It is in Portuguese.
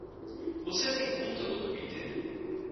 Você tem conta no Twitter?